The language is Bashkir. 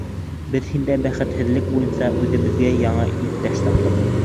Беҙ һиндә бәхетһеҙлек буйынса үҙебеҙгә яңы иптәш таптыҡ.